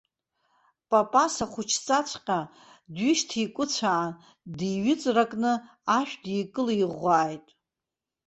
Папаса хәыҷҵасҵәҟьа дҩышьҭикәыцәаан, диҩыҵракны ашә дылкылиӷәааит.